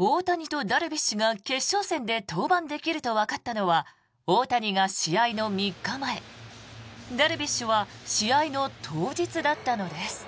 大谷とダルビッシュが決勝戦で登板できるとわかったのは大谷が試合の３日前ダルビッシュは試合の当日だったのです。